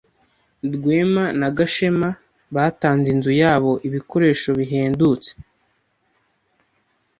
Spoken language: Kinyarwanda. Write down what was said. Rwema na Gashema batanze inzu yabo ibikoresho bihendutse.